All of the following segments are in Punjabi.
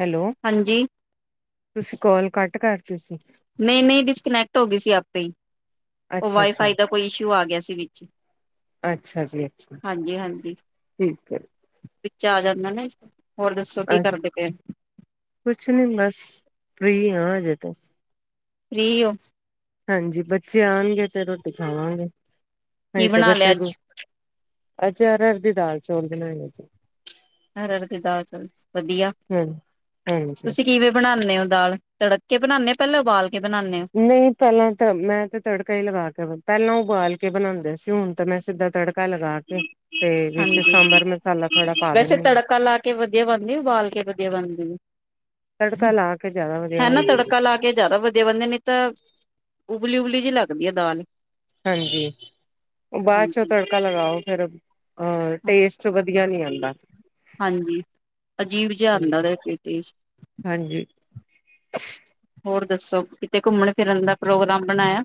ਹੈਲੋ ਹਾਂਜੀ ਤੁਸੀਂ ਕੋਾਲ ਕੱਟ ਕਰ ਨਹੀਂ ਨਹੀਂ ਡਿਸਕਨੈਕਟ ਹੋ ਗਈ ਸੀ ਆਪੇ ਉਹ ਅੱਛਾ-ਅੱਛਾ, ਵਾਈਫਾਈ ਦਾ ਕੋਈ ਇਸ਼ੂ ਆ ਗਿਆ ਸੀ ਵਿੱਚ ਅੱਛਾ ਜੀ ਅੱਛਾ। ਹਾਂਜੀ ਹਾਂਜੀ ਠੀਕ ਹੈ, ਚ ਜਾਂਦਾ ਨੇ ਅ ਕੁਛ ਨੀ ਬਸ। ਫ੍ਰੀ ਹਾਂ ਹਜੇ ਤੇ। ਫ੍ਰੀ ਹੋ? ਹਾਂਜੀ, ਬੱਚੇ ਆਉਣਗੇ ਤੇ ਰੋਟੀ ਖਾਵਾਂਗੇ। ਕੀ ਨਹੀਂ ਤੇ ਬਣਾ ਲਿਆ ਬੱਚੇਗੂ ਅੱਜ ਅਜ ਅਰ-ਅਰ ਦੀ ਦਾਲ ਚੌਲ ਬਣਾਏ ਆ ਜੀ। ਹਰ-ਹਰ ਦੀ ਦਾਲ ਚੋਲ ਵਧੀਆ, ਹੂੰ। ਹਾਂਜੀ, ਤੁਸੀਂ ਕਿਵੇਂ ਬਣਾਣੇ ਹੋ? ਦਾਲ, ਤੜਕ ਕੇ ਬਣਾਉਨੇ ਪਹਿਲੇ ਉਬਾਲ ਕੇ ਬਣਾਉਂਦੇ ਹੋ ਨਹੀਂ, ਪਹਿਲਾਂ ਤਾਂ ਮੈਂ ਤੇ ਤੜਕਾ ਹੀ ਲਗਾ ਕੇ, ਪਹਿਲਾਂ ਉਬਾਲ ਕੇ ਬਣਾਉਂਦੇ ਸੀ, ਹੁਣ ਤਾਂ ਮੈਂ ਸਿੱਧਾ ਤੜ ਹਾਂਜੀ ਮਸਾਲਾ ਥੋੜਾ ਪਾ ਵੈਸੇ ਦਿੰਨੀ ਆ, ਤੜਕਾ ਲਾ ਕੇ ਵਧੀਆ ਬਣਦੀ ਉਬਾਲ ਕੇ ਵਧੀਆ ਬਣਦੀ ਏ? ਤੜਕਾ ਲਾ ਕੇ ਜ਼ਿਆਦਾ ਵਧੀਆ ਹੈ ਨਾ ਬਣਦੀ, ਤੜਕਾ ਲਾ ਕੇ ਜ਼ਿਆਦਾ ਵਧੀਆ ਬੰਣਦੀ, ਨੀ ਤਾਂ ਉਬਲੀ-ਉਬਲੀ ਜਿਹੀ ਲੱਗਦੀ ਆ ਦਾਲ। ਹਾਂਜੀ, ਉਹ ਬਾਅਦ ਚੋਂ ਹਾਂਜੀ ਤੜਕਾ ਲਗਾਓ। ਫਿਰ ਅਹ ਟੇਸਟ ਵਧੀਆ ਨੀ ਆਉਂਦਾ। ਹਾਂਜੀ, ਅਜੀਬ ਜਿਹਾ ਆਂਦਾ ਓਦਾ [unintelligible] ਟੈਸਟ। ਹਾਂਜੀ। [inaudible] ਹੋਰ ਦੱਸੋ? ਕਿਤੇ ਘੁੰਮਣ ਫਿਰਨ ਦਾ ਪ੍ਰੋਗਰਾਮ ਬਣਾਇਆ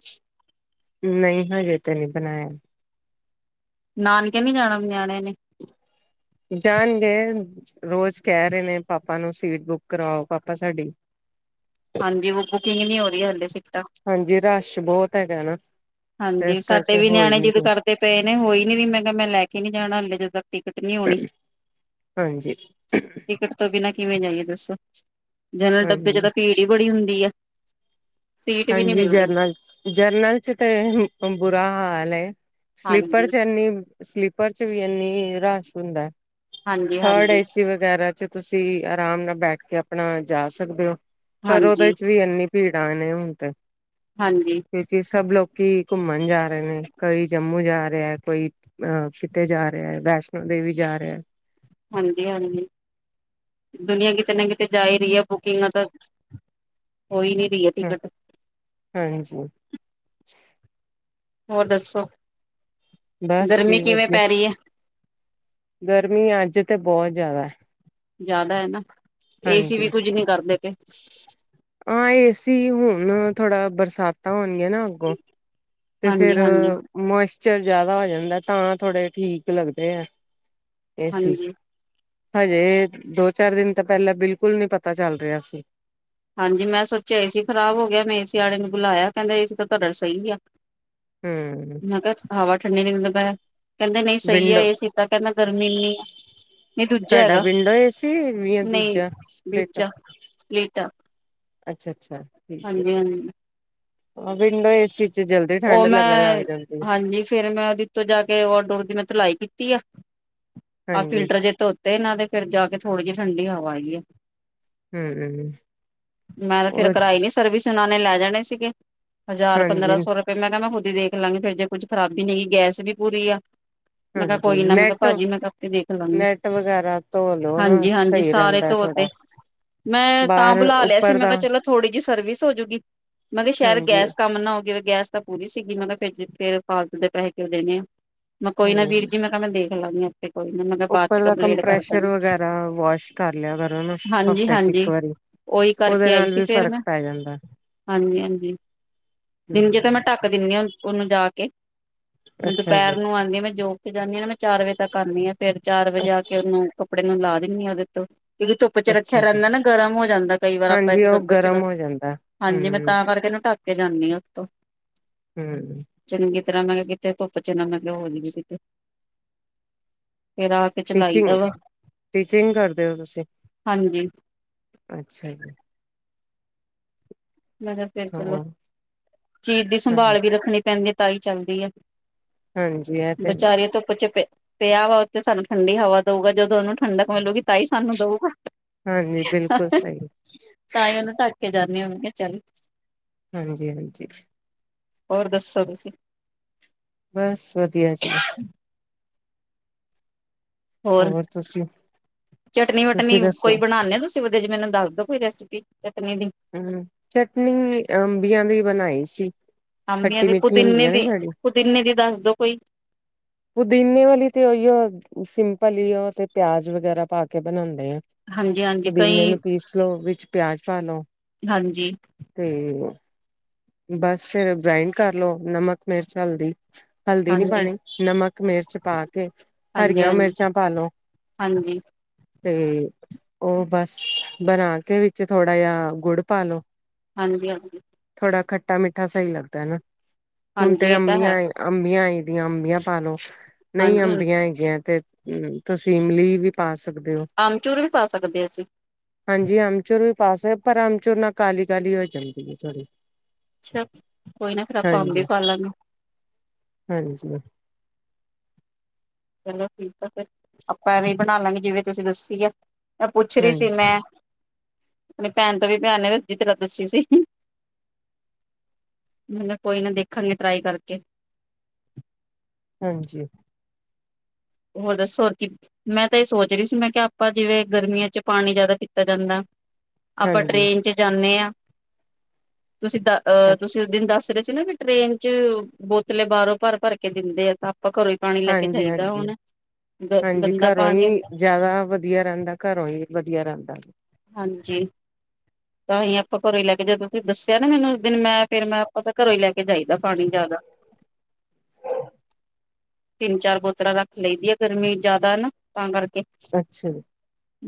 ਨਹੀਂ ਹਜੇ ਤੇ ਨਹੀਂ ਬਣਾਇਆ। ਨਾਨਕੇ ਨਹੀਂ ਜਾਣਾ ਵੀ ਨਿਆਣੇ ਜਾਾਨਗੇ। ਰੋਜ਼ ਕਹਿ ਰਹੇ ਨੇ ਪਾਪਾ ਨੂੰ ਸੀਟ ਬੁੱਕ ਕਰਾਓ, ਪਾਪਾ ਸਾਡੀ। ਹਾਂਜੀ ਉਹ ਬੁਕਿੰਗ ਨਹੀਂ ਹੋ ਦੀ ਹਲੇ ਸਿਪ ਹਾਂਜੀ ਰਸ਼ ਬਹੁਤ ਹੈਗਾ ਏ ਨਾ। ਤੇ ਹਾਂਜੀ ਇਸ ਸਾਡੇ ਕਰਕੇ ਵੀ ਹੋ ਹੀ ਨਿਆਣੇ ਨੀ ਜਿਦ ਰਿਹਾ ਕਰਦੇ ਪਏ ਨੇ, ਹੋਈ ਵੀ ਨੀ, ਮੈਂ ਕਿਹਾ ਮੈਂ ਲੈ ਕੇ ਨੀ ਜਾਣਾ ਹੱਲੇ, ਜਦੋਂ ਤੱਕ ਟਿਕਟ ਨੀ ਹੋਣੀ, ਹਾਂਜੀ ਟਿਕਟ ਤੋਂ ਬਿ ਨਾ ਕਿਵੇਂ ਜਾਈਏ ਦੱਸੋ? ਜਨਰਲ ਡੱਬੇ ਚ ਹਾਂਜੀ। ਤਾਂ ਭੀੜ ਹੀ ਬੜੀ ਹੁੰਦੀ ਆ। ਸੀਟ ਵੀ ਨੀ ਹਾਂਜੀ ਮਿਲਦੀ ਜਰਨਲ, ਜਰਨਲ ਚ ਤੇ ਬਮ ਬੁਰਾ ਹਾਲ ਏ। ਸਲੀਪਰ ਹਾਂਜੀ ਚ ਏਨੀ ਸਲੀਪਰ ਚ ਵੀ ਇੰਨੀ ਰਸ਼ ਹੁੰਦਾ ਏ। ਹਾਂਜੀ ਥਰਡ ਹਾਂਜੀ ਏ ਸੀ ਵਗੈਰਾ ਚ ਤੁਸੀਂ ਆਰਾਮ ਨਾਲ ਬੈਠ ਕੇ ਆਪਣਾ ਜਾ ਸਕਦੇ ਹੋ ਪਰ ਉਹਦੇ ਹਾਂਜੀ ਚ ਵੀ ਇੰਨੀ ਭੀੜ ਸਾਨ ਤੇ ਹਾਂਜੀ ਕਿਉਂਕਿ ਸਭ ਲੋਕ ਕੀ ਘੁੰਮਣ ਜਾ ਰਹੇ ਨੇ ਕੋਈ ਜੰਮੂ ਜਾ ਰਿਹਾ ਕੋਈ ਅਹ ਕਿਤੇ ਜਾ ਰਿਹਾ ਵੈਸ਼ਨੋ ਦੇਵੀ ਜਾ ਰਿਹਾ ਹਾਂਜੀ ਹਾਂਜੀ ਦੁਨੀਆਂ ਕਿਤੇ ਨਾ ਕਿਤੇ ਜਾ ਹੀ ਰਹੀ ਆ ਬੁਕਿੰਗ ਤਾਂ ਕੋਈ ਨੀ ਰ ਹੈ ਤ ਹਾਂਜੀ ਹੋਰ ਦੱਸੋ ਬਸ ਗਰਮੀ ਜੀ ਕਿਵੇਂ ਵਧੀਆ ਪੈ ਰਹੀ ਹੈ ਗਰਮੀ ਅੱਜ ਤੇ ਬਹੁਤ ਜਿਆਦਾ ਜਿਆਦਾ ਹ ਨਾ ਇਹ ਸੀ ਵੀ ਕੁਝ ਨਹੀਂ ਆਏ ਸੀ ਹੁਣ ਥੋੜਾ ਬਰਸਾ [unintelligible] ਨਾ ਅੱਗੋਂ ਤੇ ਹਾਂਜੀ ਫੇਰ ਹਾਂਜੀ ਮ ਚਰ ਜਿਆਦਾ ਹੋ ਜਾਂਦਾ ਤਾਂ ਥੋੜੇ ਠੀਕ ਲੱਗਦੇ ਆ ਏਸੀ ਹਾਂਜੀ ਹਜੇ ਦੋ ਚਾਰ ਦਿਨ ਤਾਂ ਪਹਿਲਾਂ ਬਿਲਕੁਲ ਨਹੀਂੀ ਪਤਾ ਚੱਲ ਰਿਹਾ ਸੀ ਹਾਂਜੀ ਮੈਂ ਸੋਚਿਆ ਏ ਸੀ ਖਰਾਬ ਹੋ ਗਿਆ ਮੈਂ ਏ ਸੀ ਵਾਲੇ ਨੂੰ ਬੁਲਾਇਆ ਕਹਿੰਦਾ ਏ ਤਾਂ ਕਰ ਸਹੀ ਆ ਹੂੰ ਮੈਂ ਕਿਹਾ ਹਵਾ ਠੰਡੀ ਨ ਮ ਪ ਕਹਿੰਦੇ ਨਹੀਂ ਸਹੀ ਹੈ ਵਿੰਡੋ ਇਹ ਸੀ ਤਾਂ ਕਹਿੰਦਾ ਗਰਮੀ ਇੰਨੀ ਆ ਨਹੀਂ ਦੂਜਾ ਤੁਹਾਡਾ ਹੈਗਾ ਵਿੰਡੋ ਏਸੀ ਜਾਂ ਨਹੀਂ ਦੂਜਾ ਦੂਜਾ ਸਪਟ ਅੱਛਾ ਅੱਛਾ ਹਾਂਜੀ ਹਾਂਜੀ ਵਿੰਡੋ ਏਸੀ ਚ ਜਲਦੀ ਉਹ ਠੰਢ ਲੱਗਣ ਲੱਗ ਮੈਂ ਜਾਂਦੀ। ਹਾਂਜੀ ਫੇਿਰ ਮੈਂ ਉਹਦੇ ਉੱਤੋਂ ਜਾ ਕੇ ਓਡੋਰ ਦੀ ਮੈਂ ਚਲਾਈ ਕੀਤੀ [unintelligible] ਆਹ ਹਾਂਜੀ ਫਿਲਟਰ ਜੇ ਧੋਤੇ ਨਾ ਤੇ ਫਿਰ ਜਾ ਕੇ ਥੋੜੇ ਜਿਹੀ ਠੰਡੀਆਂ ਹਵਾਈ ਹੂੰ ਮੈਂ ਤੇ ਉਹ ਫੇਿਰ ਕਰਾਈ ਨੀ ਸਰਵਿਸ ਨੇ ਲੈ ਜਾਣੇ ਸੀਗੇ ਹਜ਼ਾਰ ਪੰਦਰਾਂ ਸੌ ਹਾਂਜੀ-ਹਾਂਜੀ ਰੁਪਏ ਮੈਂ ਕਿਹਾ ਮੈਂ ਖੁਦ ਹੀ ਦੇਖ ਲਾਂਗੀ ਫ਼ਿਰ ਜੇ ਕੁਝ ਖ਼ਬੀ ਨਹੀਂ ਗਗੀ ਗੈਸ ਵੀ ਪੂਰੀ ਆ ਮੈਂ ਕਿਹਾ ਕੋਈ ਨਾ ਮੈਂ ਕਿਹਾ ਨੈਟ ਭਾਜੀ ਮੈਂ ਕਰਕੇ ਦੇਖ ਲਾਂਗੀ ਨੈਟ ਵਗੈਰਾ ਧੋ ਲੋ ਨਾ ਹਾਂਜੀ ਹਾਂਜੀ ਸਹੀ ਸਾਰੇ ਰਹਿੰਦਾ ਧੋ ਥੋੜਾ ਤੇ ਮੈਂ ਤਾਂ ਬਾਹਰ ਬੁਲਾ ਲਿਆ ਸੀ ਉੱਪਰ ਮੈਂ ਦਾ ਕਿਹਾ ਚਲੋ ਥੋੜ੍ਹੀ ਜਿਹੀ ਸਰਵਿਸ ਹੋਜੂਗੀ ਮੈਂ ਕਿਹਾ ਸ਼ਾਇਦ ਹਾਂਜੀ ਗੈਸ ਕੰਮ ਨਾ ਹੋ ਗ ਗੈਸ ਤਾਂ ਪੂਰੀ ਸੀਗੀ ਮਤਲਬ ਫ ਫੇਿਰ ਫਾਲਤੂ ਦੇ ਪੈਸੇ ਉਹ ਦੇਣੇ ਆ ਮੈਂ ਕੋਈ ਨਾ ਵੀਰ ਹੂੰ ਜੀ ਮੈਂ ਕਿਹਾ ਮੈਂ ਦੇਖ [unintelligible] ਕਿਹਾ ਬਾਅਦ ਚ ਉੱਪਰ ਦਾ ਕੰਪਲੇਂਟ ਕਰ ਕੰਪ੍ਰੈਸ਼ਰ ਦਾਂਗੀ ਵਗੈਰਾ ਵਾਸ਼ ਕਰ ਲਿਆ ਕਰੋ ਨਾ ਹਾਂਜੀ ਹਫ਼ਤੇ ਚ ਇੱਕ ਹਾਂਜੀ ਵਾਰੀ ਉਹੀ ਉਹਦੇ ਕਰਕੇ ਆਈ ਨਾਲ ਸੀ ਵੀ ਫੇਰ ਫ਼ਰਕ ਮੈਂ ਪੈ ਜਾਂਦਾ ਹਾਂਜੀ ਹਮ ਦਿੰਦੇ ਹਾਂ ਉਹਨੂੰ ਜਾ ਕੇ ਮੈਂ ਅੱਛਾ ਦੁਪਹਿਰ ਜੀ, ਨੂੰ ਆਉਂਦੀ ਹਾਂ ਮੈਂ ਜੋਕ ਤੇ ਜਾਂਦੀ ਹਾਂ ਨਾ ਮੈਂ ਚਾਰ ਵਜੇ ਤੱਕ ਆਉਂਦੀ ਹਾਂ ਫਰ ਚਾਰ ਵਜੇ ਆ ਕੇ ਅੱਛਾ, ਉਹਨੂੰ ਕ ਕੱਪੜੇ ਨੂੰ ਲਾ ਦਿੰਦੀ ਆਗ ਤੋਂ ਕਿਕ ਧੁੱਪ ਚ ਰੱਖਿਆ ਅੱਛਾ ਜੀ। ਰਹਿੰਦਾ ਨਾ ਗਰਮ ਹੋ ਜਾਂਦਾ ਕਈ ਵਾਰ ਆਪਾਂ ਹਾਂਜੀ, ਇੱਕ ਉਹ ਦ ਚ ਗਰਮ ਹੋ ਜਾਂਦਾ। ਹਾਂਜੀ ਮੈਂ ਹੂੰ, ਤਾਂ ਕਰਕੇ ਇਹਨੂੰ ਟਢੱਕ ਕੇ ਜਾਂਦੀ ਹਾਂ ਉਤੋਂ ਹਮ ਕਿਸ ਤਰ੍ਹਾਂ ਮੈਂ ਕਿਤੇੇ ਧੁੱਪ ਚ ਨਾ ਮਤਬ ਹੋਲੀ ਵੀ ਕਿਤੇ ਫੇਰ ਆ ਕੇ ਚਲਾਈ ਦਾ ਟੀਚਿੰਗ ਵਾ ਟੀਚਿੰਗ ਕਰਦੇ ਹੋ ਤੁਸੀਂ ਹਾਂਜੀ ਅੱਛਾ ਜੀ ਮੈਂ ਕਿਹਾ ਫੇਰ ਚਲੋ ਹੋਰ ਚੀਜ਼ ਦੀ ਹਾਂਜੀ, ਸੰਭਾਲ ਵੀ ਰੱਖਣੀ ਪੈਂਦੀ ਹੈ ਤ ਹੀ ਚੱਲਦੀ ਹੈ ਹਾਂਜੀ ਇਹ ਤੇ ਬਚਾਰੇ ਧੁੱਪ ਚੁਪੇ ਤੇ ਆ ਵਾ ਉੱਥੇ ਸਾਨੂੰ ਠੰਡੀ ਹਵਾ ਦਊਗਾ ਜਦੋਂ ਉਹਨੂੰ ਠੰਡਕ ਮਿਲਲੇਗੀ ਤਾਂ ਹੀ ਸਾਨੂੰ ਦਊਗਾ ਹਾਂਜੀ, ਬਿਲਕੁਲ ਸਹੀ। ਤਾਂ ਹੀ ਉਹਨੂੰ ਢੱਕ ਕੇ ਜਾਂਦਾ ਹੋ ਚੱਲ ਹਾਂਜੀ ਹਾਂਜੀ ਹੋਰ ਦੱਸੋ ਤੁਸੀਂ ਬਸ ਵਧੀਆ ਜੀ ਹੋਰ ਚਟਨੀ ਵਟਨੀ ਤੁਸੀਂ ਦੱਸੋ? ਕੋਈ ਬਣਾਦੇ ਤੁਸੀਂ ਵਧ ਮੈਨੂੰ ਦੱਸ ਦਿੋ ਕੋਈ ਰੈਸਪੀ ਇੱਕ ਹਮ ਚਟਨੀ ਅੰਬੀਆਂ ਦੀ ਬਣਾਈ ਸੀ ਅੰਬੀਆਂ ਖੱਟੀ ਮਿੱਠੀ ਹੁੰਦੀ ਆ ਨਾ ਸਾੜੀ ਜੋ ਕੋਈ ਪੁਦੀਨੇ ਵਾਲੀ ਤੇ ਉਹੀਓ ਸਿੰਪਲ ਓ ਤੇ ਪਿਆਜ ਵਗੈਰਾ ਪਾ ਕੇ ਬਣਾਉਂਦੇ ਹਾਂਜੀ ਹਾਂਜੀ ਪੁਦੀਨੇ ਕਈ ਨੂੰ ਪੀਸ ਲੋ ਵਿੱਚ ਪਿਆਜ ਪਾ ਲੋ ਹਾਂਜੀ ਤੇ ਬਸ ਫੇਿਰ ਗ੍ਰਾਇੰਡ ਕਰਲੋ ਨਮਕ ਮਿਰਚ ਹਲਦੀ ਹਲਦੀ ਨੀ ਹਾਂਜੀ ਹਾਂਜੀ ਪਾਉਣੀ ਨਮਕ ਮਿਰਚ ਪਾ ਕੇ ਹਾਂਜੀ ਹਰੀਆਂ ਮਿਰਚਾਂ ਪਾ ਲਉ ਹਾਂਜੀ ਤੇ ਉਹ ਬਸ ਬਣਾ ਕੇ ਵਿੱਚ ਥੋੜਾ ਜਿਹਾ ਗੁੜ ਪਾਾਲੋ ਹਾਂਜੀ ਹਾਂਜੀ ਥੋੜ੍ਹਾ ਖੱਟਾ ਮਿੱਠਾ ਸਹੀ ਲੱਗਦਾ ਹਨਾ ਹੁਣ ਹਾਂਜੀ ਤੇ ਇਹ ਤਾਂ ਅੰਬੀਆਂ ਹੈ ਆਈ ਅੰਬੀਆਂ ਆਈ ਦੀਆਂ ਅੰਬੀਆਂ ਪਾ ਲੋ ਨਹੀਂ ਹਾਂਜੀ ਹ ਅੰਬੀਆਂ ਹੈਗੀਆਂ ਤੇ ਹਮ ਤੁਸੀਂ ਇਮਲੀ ਵੀ ਪਾ ਸਕ ਸਕਦੇ ਹੋ ਆਮਚੂਰ ਵੀ ਪਾ ਸਕਦੇ ਅਸੀਂ ਹਾਂਜੀ ਅਮਚੁਰ ਪਾਸੇ ਪਰਮ ਚੂਰਨਾ ਕਾਹਲੀ ਕਾਹਲੀ ਹੋ ਜਾਂਦੀ ਹੈ ਥੋੜ੍ਹੀ ਕੋਈ ਨਾ ਫੇਿਰ ਆਪਾਂ ਕੰਮ ਵੀ ਕਰ ਲਾਂਗੇ ਹਾਂਜੀ ਹਾਂਜੀ ਚਲੋ ਠੀਕ ਆ ਫਿਰ ਆਪਾਂ ਐਵੇਂ ਬਣਾ ਲਾਂਗੇ ਜਿਵੇਂ ਤੁਸੀਂ ਦੱਸੀ ਆ ਤਾਂ ਪੁੱਛ ਰਹੀ ਸੀ ਮੈਂ ਆਪਣੀ ਭੈਣ ਤੋਂ ਵੀ ਭਿਆਨ ਦੂਜੀ ਤੇਰਾ ਦੱਸੀ ਸੀ ਮੈਂ ਕੋਈ ਨਾ ਦੇਖਾਂਗੇ ਟਰਾਈ ਕਰਕੇ ਹਾਂਜੀ ਹੋਰ ਦੱਸੋ ਕੀ ਮੈਂ ਤਾਂ ਏ ਸੋਚ ਰਹੀ ਸੀ ਮੈਂ ਕਿ ਆਪਾਂ ਜਿਵੇਂ ਗਰਮੀਆਂ ਚ ਪਾਣੀ ਜਿਆਦਾ ਪੀਤਾ ਜਾਂਦਾ ਆਪਾਂ ਹਾਂਜੀ ਟਰੇਨ ਚ ਜਾਂਨੇ ਆ ਤੁਸੀਂ ਦ ਅਹ ਤੁਸੀਂ ਉਸ ਦਿਨ ਦੱਸ ਰੇ ਸੀ ਨਾ ਵੀ ਟ੍ਰੇਨ ਚ ਬੋਤਲੇ ਬਾਹਰੋਂ ਭਰ ਭਰ ਕੇ ਦਿੰਦੇ ਆ ਤਾਂ ਆਪਾਂ ਘਰੋਂ ਹੀ ਪਾਣੀ ਲੈ ਕੇ ਹਾਂਜੀ ਜਾਈਦਾ ਹਾਂਜੀ ਹੁਣ ਗ ਹਾਂਜੀ ਗੰਦਾ ਘਰੋਂ ਪਾਣੀ ਹੀ ਹੁੰਦਾ ਜਿਆਦਾ ਵਧੀਆ ਰਹਿੰਦਾ ਘਰੋਂ ਹੀ ਵਧੀਆ [unintelligible] ਹਾਂਜੀ ਤਾਂਹੀ ਆਪਾਂ ਘਰੋਂ ਹੀ ਲੈ ਕੇ ਜਦੋਂ ਤੁਸੀਂ ਦੱਸਿਆ ਨਾ ਮੈਨੂੰ ਦਿਨ ਮੈਂ ਫੇਰ ਮੈਂ ਆਪਦਾ ਘਰੋਂ ਹੀ ਲੈ ਕੇ ਜਾਈਦਾ ਪਾਣੀ ਜ਼ਿਆਦਾ ਤਿੰਨ ਚਾਰ ਬੋਤਲਾਂ ਰੱਖ ਲਈਦੀ ਆ ਗਰਮੀ ਜ਼ਿਆਦਾ ਨਾ ਤਾਂ ਕਰਕੇ ਅੱਛਾ ਜੀ।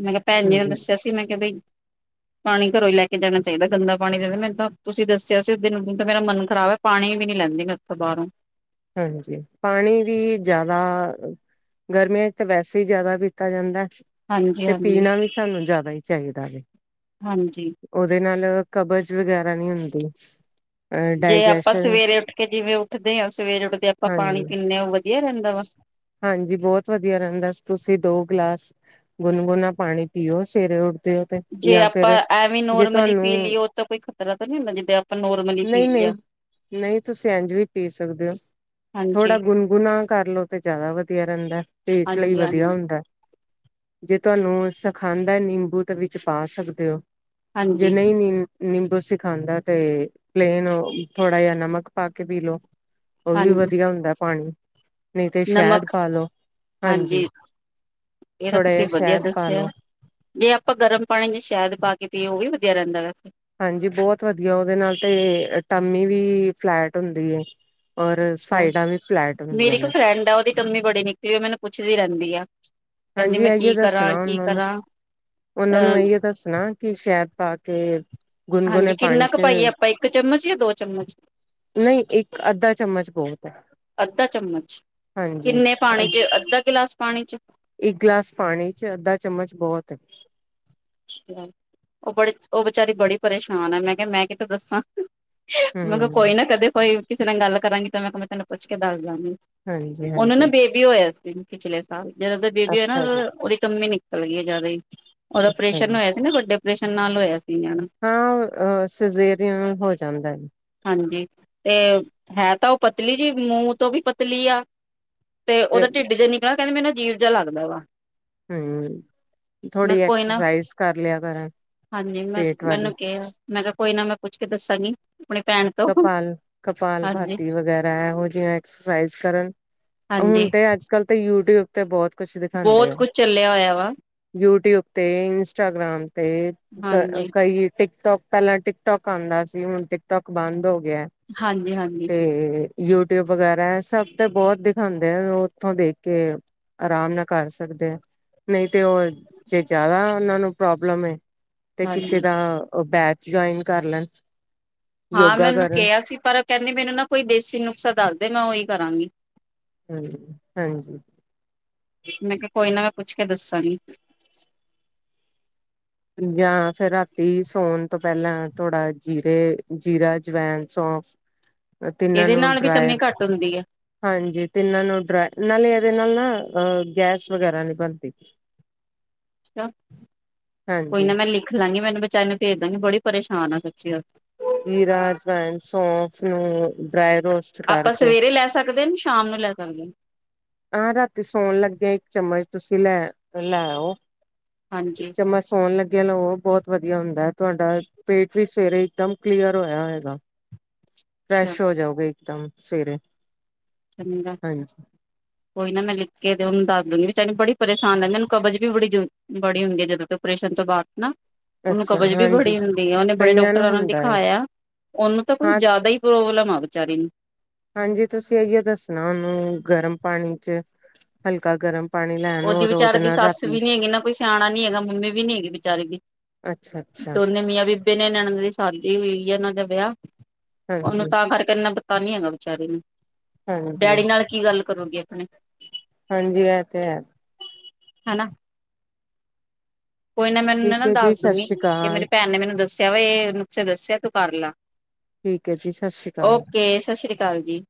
ਮੈਂ ਕਿਹਾ ਭੈਣ ਜੀ ਨੇ ਹੂੰ। ਦੱਸਿਆ ਸੀ ਮੈਂ ਕਿਹਾ ਬਈ ਪਾਣੀ ਘਰੋਂ ਹੀ ਲੈ ਕੇ ਜਾਣਾ ਚਾਹੀਦਾ ਗੰਦਾ ਪਾਣੀ ਦੇ ਮੈ ਤਾਂ ਤੁਸੀਂ ਦੱਸਿਆ ਸੀ ਉਸ ਦਿਨ ਉਸ ਦਿਨ ਤੋਂ ਮੇਰਾ ਮਨ ਖ਼ਰਾਬ ਐ ਪਾਣੀ ਵੀ ਨੀ ਲੈਂਦੀ ਮੈਂ ਉੱਥੋਂ ਬਾਹਰੋਂ ਹਾਂਜੀ ਪਾਣੀ ਵੀ ਜ਼ਿਆਦਾ ਗਰਮੀਆਂ ਚ ਤਾਂ ਵੈਸੇ ਹੀ ਜ਼ਿਆਦਾ ਪੀਤਾ ਜਾਂਦਾ ਹਾਂਜੀ ਤੇ ਹਾਂਜੀ ਪੀਣਾ ਵੀ ਸਾਨੂੰ ਜ਼ਿਆਦਾ ਹੀ ਚਾਹੀਦਾ ਵ ਹਾਂਜੀ ਉਹਦੇ ਨਾਲ ਕਬਜ਼ ਵਗੈਰਾ ਨੀ ਹੁੰਦੀ ਅ ਜੇ ਆਪਾਂ ਡਾਇਜੈਸ਼ਨ ਸਵੇਰੇ ਉੱਠ ਕੇ ਜਿਵੇਂ ਉੱਠਦੇ ਆ ਸਵੇਰੇ ਉੱਠਦੇ ਆਪਾਂ ਪਾਣੀ ਹਾਂਜੀ। ਪੀਂਨੇ ਆ ਵ ਹਾਂਜੀ ਬਹੁਤ ਵਧੀਆ ਰਹਿੰਦਾ ਤੁਸੀਂ ਦੋ ਗਲਾਸ ਗੁਨਗੁਨਾ ਪਾਣੀ ਪੀਓ ਸਵਾਰੇ ਉਠ ਦੇ ਓ ਤੇ ਜੇ ਜਾਂ ਆਪਾਂ ਫਿਰ ਐਵੇਂ ਜੇ ਨੋਰਮਲੀ ਤੁਹਾਨੂੰ ਪੀ ਲਈਏ ਉਹ ਤਾਂ ਕੋਈ ਖਤਰਾ ਤਾਂ ਨਹੀਂ ਹੁੰਦਾ ਜਿੱਦਾਂ ਆਪਾਂ ਨੋਰਮਲੀ ਪੀ ਲਿਆ ਨਈ-ਨਈ-ਨਈ ਤੁਸੀਂ ਇੰਜ ਵੀ ਪੀ ਸਕਦੇ ਓ ਹਾਂਜੀ ਥੋੜਾ ਗੁਨਗੁਣਾ ਕਰ ਲਓ ਤੇ ਜਿਆਦਾ ਵਧੀਆ ਰਹਿੰਦਾ ਪੇਟ ਲਈ ਹਾਂਜੀ ਹਾਂਜੀ ਵਧੀਆ ਹੁੰਦਾ ਜੇ ਤੁਹਾਨੂੰ ਸਖਾਂਦਾ ਨਿੰਬੂ ਤੇ ਵਿੱਚ ਪਾ ਸਕਦੇ ਓ ਜੇ ਹਾਂਜੀ ਨਈ ਨੀ ਨਿੰਬੂ ਸਿੱ ਖਾਂਦਾ ਤੇ ਪਲੇਨ ਥੋੜਾ ਜਿਹਾ ਨਮਕ ਪਾ ਕੇ ਪੀ ਲੋੋ ਉਹ ਵੀ ਹਾਂਜੀ ਵਧੀਆ ਹੁੰਦਾ ਪਾਣੀ ਨਹੀਂ ਤੇ ਸ਼ਹਿਦ ਨਮਕ ਪਾ ਲੋ ਹਾਂਜੀ ਇਹ ਤਾਂ ਥੋੜ੍ਹਾ ਜਿਹਾ ਤੁਸੀਂ ਵਧੀਆ ਸ਼ਹਿਦ ਪਾ ਦੱਸਿਆ ਲੋ ਜੇ ਆਪਾਂ ਗਰਮ ਪਾਣੀ ਚ ਸ਼ਾਇਦ ਪਾ ਕੇ ਪੀਏ ਉਹ ਵੀ ਵਧੀਆ ਰਹਿੰਦਾ ਵੈਸੇ ਹਾਂਜੀ ਬਹੁਤ ਵਧੀਆ ਉਹਦੇ ਨਾਲ ਤੇ ਟਮੀ ਵੀ ਫਲੈਟ ਹੁੰਦੀ ਔਰ ਅੱਛਾ ਸਾਈਡਾਂ ਵੀ ਫਲੈਟ ਮੇਰੀ ਹੁੰਦੀਆਂ ਇੱਕ ਨੇ ਫਰੈਂਡ ਆ ਉਹਦੀ ਕਮੀ ਬੜੀ ਨਿਕਲੀ ਉਹ ਮੈਨੂੰ ਪੁੱਛਦੀ ਰਹਿੰਦੀ ਆ ਕਹਿੰਦੀ ਹਾਂਜੀ ਮੈਂ ਇਹੀਓ ਕੀ ਕਰਾਂ ਦੱਸਣਾ ਕੀ ਉਹਨਾਂ ਨੂੰ ਕਰਾਂ ਉਹਨਾਂ ਨੂੰ ਅਹ ਇਹੀਓ ਦੱਸਣਾ ਕਿ ਸ਼ ਪਾ ਕੇ ਹਾਂਜੀ ਗੁਨਗੁਨੇ ਕਿੰਨਾ ਪਾਣੀ ਕੁ ਪਾਈਏ ਚ ਆਪਾਂ ਇੱਕ ਚਮਚ ਜਾਂ ਦੋ ਚਮਚ ਨਹੀਂ ਇੱਕ ਅੱਧਾ ਚਮਚ ਬਹੁਤ ਹੈ ਅੱਧਾ ਚਮਚ ਹਾਂਜੀ ਕਿੰਨੇ ਪਾਣੀ ਚ ਅੱਧਾ ਗਿਲਾਸ ਪਾਣੀ ਚ ਇੱਕ ਗਲਾਸ ਪਾਣੀ ਚ ਅੱਧਾ ਚਮਚ ਹੋਤ ਉਹ ਬੜੇ ਉਹ ਬੇਚਾਰੀ ਬੜੀ ਪਰੇਸ਼ਾਨ ਆ ਮੈਂ ਕਿਹਾ ਮੈਂ ਕਿਤੇ ਦੱਸਾਂ ਮੈਂ ਕਿਹਾ ਕੋਈ ਹਮ ਨਾ ਕਦੇ ਕੋਈ ਕਿਸੇ ਨਾਲ ਗੱਲ ਕਰਾਂਗੇ ਮੈਂ ਕਿਹਾ ਮੈਂ ਤੈਨੂੰ ਪੁੱਛ ਦਵਾਂ ਹਾਂਜੀ ਉਹਨੂੰ ਨਾ ਹਾਂਜੀ ਬੇਬੀ ਹੋਇਆ ਸੀ ਪਿਛਲੇ ਸਾਲ ਜਦੋਂਦਾ ਬੇਬੀ ਹੋਇਆ ਨਾ ਅੱਛਾ ਜੀ ਉਹਦੀ ਕਮੀ ਨਿਕਲ ਗਈ ਜ਼ਿਆਦਾ ਹੀ ਅੱਛਾ ੈਸ਼ਨ ਨੂੰ ਜੀ ਹੋਇਆ ਸੀ ਨਾ ਵੱਡੇ ਪ੍ਰੈਸ਼ਨ ਨਾਲ ਇ ਹਾਂ ਅ ਸਜ਼ੇਰੀਅਨ ਹੋ ਜਾਂਦਾ ਹੈ ਹਾਂਜੀ ਤੇ ਹੈ ਤਾਂ ਉਹ ਪਤਲੀ ਜੀ ਮੂੰਹ ਤੋਂ ਵੀ ਪਤਲੀ ਆ ਤੇ ਉਹਦਾ ਢਿੱਡ ਜਿ ਨਿਕਲ ਕਹਿੰ ਮੈਨੂੰ ਜੀਵ ਜਹਾ ਲੱਗਦਾ ਵਾ ਹਮ ਮੈਂ ਥੋੜ੍ਹੀ ਕੋਈ ਨਾ ਐਕਸਰਸਾਈਜ਼ ਕਰ ਲਿਆ ਕਰਨ ਹਾਂਜੀ ਮੈਂ ਪੇਟ ਵਾਲੀ ਮੈਨੂੰ ਕਿਹਾ ਮੈਂ ਕਿਹਾ ਕੋਈ ਨਾ ਮੈਂ ਪੁੱਛ ਕੇ ਦੱਸਾਂਗੇ ਕਪਾਲ ਕਪਾਲ ਭਾਤੀ ਵਗੈਰਾ ਹੈ ਉਹ ਜਿਵੇ ਐਕਸਰਸਾਈਜ਼ ਕਰਨ ਹੁਣ ਹਾਂਜੀ ਤੇ ਅੱਜ ਕਲ ਤਾਂ ਯੂਟਿਊਬ ਤੇ ਬਹੁਤ ਕੁਛ ਦਿਖਾਉਂਦੇ ਬਹੁਤ ਆ ਕੁਝ ਚੱਲਿਆ ਹੋਇਆ ਵਾ ਯੂਟਿਊਬ ਤੇ ਇੰਸਟਾਗ੍ਰਾਮ ਤੇ ਹਾਂਜੀ ਕਈ ਟ ਟਿਕ ਟਟੋਕ ਪਹਿਲਾਂ ਟਿਕਟੋਕ ਆਉਂਦਾ ਸੀ ਹੁ ਟਿਕਟੋਕ ਬੰਦ ਹੋ ਗਿਆ ਹਾਂਜੀ ਹਾਂਜੀ ਤੇ ਯੂਟਿਊਬ ਵਗੈਰਾ ਹੈ ਸਭ ਤੇ ਬਹੁਤ ਦਿਖਾਉਂਦੇ ਆ ਉਹ ਉਥੋਂ ਦੇਖ ਕੇ ਆਰਾਮ ਨਾਲ ਕਰ ਸਕਦੇ ਆ ਨਹੀਂ ਤੇ ਉਹ ਜੇ ਜ਼ਿਆਦਾ ਉਹਨਾਂ ਨੂੰ ਪ੍ਰੋਬਲਮ ਹੈ ਤੇ ਕਿਸੇ ਹਾਂਜੀ ਦਾ ਉਹ ਬੈਸ ਜੁਆਇਨ ਕਰ ਲੈਣ ਹਾਂ ਯੋਗਾ ਮੈਂ ਉਹਨੂੰ ਕਰਨ ਕਿਹਾ ਸੀ ਪਰ ਕਹਿੰਦੇ ਮੈਨੂੰ ਨਾ ਕੋਈ ਦੇਸੀ ਨੁਸਾ ਦੱਸਦੇ ਮੈਂ ਉਹੀ ਕਰਾਂਗੀ ਹਮ ਹਾਂਜੀ ਮੈਂ ਕਿਹਾ ਕੋਈ ਨਾ ਪੁੱਛ ਕੇ ਦੱਸਾਂਗੀ ਜਾਂ ਫੇਿਰ ਰਾਤੀ ਸੌਣ ਤੋਂ ਪਹਿਲਾਂ ਥੋੜਾ ਜੀਰੇ ਜੀਰਾ ਅਜਵਾਇਨ ਸੌਂਫ ਤਿੰਨਾਂ ਇਹਦੇ ਨੂੰ ਨਾਲ ਵੀ ਟੰਮੀ ਡਰਾਇਰ ਘੱਟ ਹੁੰਦੀ ਹੈ ਹਾਂਜੀ ਤਿੰਨਾਂ ਨੂੰ ਡਰਾ ਨਾਲੇ ਰੇ ਨਾਲ ਨਾ ਅਹ ਗੈਸ ਵਗੈਰਾ ਨਹੀਂੀ ਬਣਦੀ ਅਾ ਕੋਈ ਹਾਂਜੀ ਨਾ ਮੈਂ ਲਿਖ ਲਾਂਗੀ ਮੈਨੂੰ ਬੱਚਾ ਨੂੰੂੰ ਭੇਜਦਾਂਗੇ ਬੜੀ ਪਰੇਸ਼ਾਨ ਆ ਸੱਚੀ ਹੀਰਾ ਫ ਸੋਫ ਨੂੰ ਡ ਆਪਾਂ ਸਵੇਰੇ ਲੈ ਸਕਦੇ ਹਾਂ ਸ਼ਾਮ ਨੂੰ ਲੈ ਸਕਦੇਾਂ ਤੁਸੀਸੀ ਲ ਲ ਲ ਉਹਓ ਇੱਕ ਹਾਂਜੀ ਚਮਚ ਸੋਣ ਲੱ ਲੋ ਬਹੁਤ ਵਧੀਆ ਹੁੰਦਾ ਹੈ ਤੁਹਾਡਾ ਪੇਟ ਵੀ ਸਵੇਰੇ ਇਕਦਮ ਕਲੀਅਰ ਹੋਇਆ ਹੈਗਾ ਅੱਛਾ ਫਰੈਸ਼ ਹੋ ਜਾਓਗੇ ਇੱਕਦਮ ਸਰੇ ਚੰਗਾ ਹਾਂ ਕੋਈ ਨਾ ਮੈਂ ਲਿਖ ਕੇ ਤੇ ਉਹਨੂੰ ਦੱਸ ਦੂਗੀ ਵੀਨੂੰ ਬੜੀ ਪਰੇਸ਼ਾਨ ਲੈਂਿੰਦੀਨੂੰ ਕਬਜ਼ ਵੀ ਬੜੀ ਬੜੀ ਹੁੰਦੀ ਹੈ ਜਦੋਂ ਤੋਂ ਓਪਰੇਸ਼ਨ ਤੋਂ ਬਾਅਦ ਨਾ ਉਹਨੂੰ ਅੱਛਾ ਕਬਜ਼ ਵੀ ਹਾਂਜੀ ਬੜੀ ਹੁੰਦੀ ਆ ਉਹਨੇ ਬੜੇ ਕਈਆਂ ਡਾਕਟਰਾਂ ਨੂੰ ਹੁੰਦਾ ਹੈ ਦਿਖਾਇਆ ਉਹਨੂੰ ਤਾਂ ਕੁਝ ਹਾਂ ਜ਼ਿਆਦਾ ਹੀ ਪ੍ਰੋਬਲਮ ਆ ਬਾਰੀ ਨੂੰ ਹਾਂਜੀ ਤੁਸੀਂ ਇਹੀਓ ਦੱਸਣਾ ਉਹਨੂੰ ਗਰਮ ਪਾਣੀ ਚ ਹਲਕਾ ਗਰਮ ਪਾਣੀ ਲੈਣ ਉਹਦੀ ਔਰ ਵਿਚਾਰੇ ਉਹਦੇ ਦੀ ਨਾਲ ਸੱਸ ਰਾਤੀ ਵੀ ਨੀ ਹੈਗੀ ਨਾ ਕੋਈ ਸਿਆਣਾ ਨੀ ਹੈਗਾ ਮੰਮੀ ਵੀ ਨੀ ਹੈਗੀ ਵਿਚਾਰੇ ਦੀ ਅੱਛਾ ਅੱਛਾ ਤੇ ਉਹਨੇ ਮੀਆਂ ਵੀ ਬਿ ਨੇ ਨਣਦ ਦੀ ਸ਼ਾਦੀ ਹੋਈ ਹੈ ਉਹਨਾਂ ਦੇ ਵਿਆਹ ਉਹਨੂੰ ਹਾਂਜੀ ਤਾਂ ਕਰਕੇਨਾ ਪਤਾ ਨੀ ਹੈਗਾ ਵਿਚਾਰੇ ਨੂੰ ਹਾਂਜੀ ਡੈਡੀ ਨਾਲ ਕੀ ਗੱਲ ਕਰੋਗੇ ਆਪਣੇ ਹਾਂਜੀ ਇਹ ਤੇ ਹੈ ਹਨਾ ਕੋਈ ਨਾ ਮੈਨੂੰ ਠੀਕ ਨਾ ਹੈ ਜੀ ਦੱਸ ਸਤਿ ਦੂਗੀ ਸ੍ਰੀ ਕਿ ਅਕਾਲ ਮੇਰੀ ਭੈਣ ਨੇ ਮੈਨੂੰ ਦੱਸਿਆ ਵਾ ਇਹ ਨੁਸੇ ਦੱਸਿਆ ਤੂੰ ਕਰ ਲਾ ਠੀਕ ਹੈ ਜੀ ਸਤਿ ਸ੍ਰੀ ਅਕਾਲ ਓਕੇ ਸਤਿ ਸ੍ਰੀ ਅਕਾਲ ਜੀ